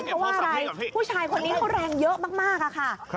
เพราะว่าอะไรผู้ชายคนนี้เขาแรงเยอะมากค่ะ